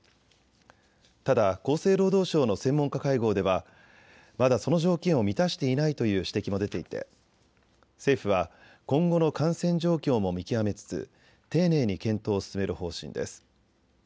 ただ厚生労働省の専門家会合ではまだその条件を満たしていないという指摘も出ていて政府は今後の感染状況も見極めつつ丁寧に検討を進める方針です。